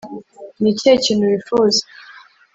Ni ikihe kintu wifuza